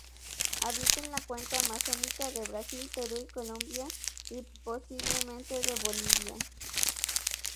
Habita en la cuenca amazónica de Brasil, Perú y Colombia y, posiblemente, de Bolivia.